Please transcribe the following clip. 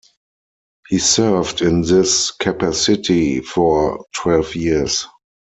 He served in this capacity for twelve years.